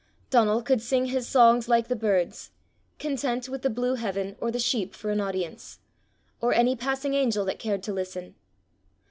Donal could sing his songs like the birds, content with the blue heaven or the sheep for an audience or any passing angel that cared to listen.